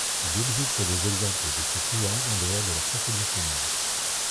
Il existe des exemples de cet usage en dehors de la procédure pénale.